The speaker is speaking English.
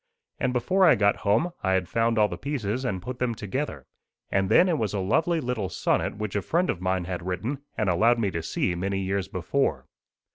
And before I got home I had found all the pieces and put them together; and then it was a lovely little sonnet which a friend of mine had written and allowed me to see many years before.